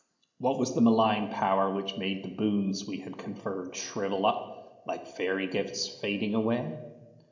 What was the malign power which made the boons we had conferred shrivel up, "like fairy gifts fading away"?